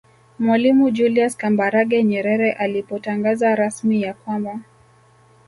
Mwalimu Julius Kambarage Nyerere alipotangaza rasmi ya kwamba